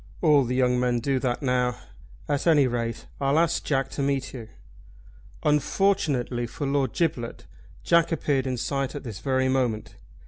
"All the young men do that now. At any rate I'll ask Jack to meet you." Unfortunately for Lord Giblet Jack appeared in sight at this very moment.